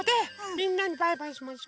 みんなにバイバイしましょ。